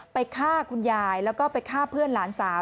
ฆ่าคุณยายแล้วก็ไปฆ่าเพื่อนหลานสาว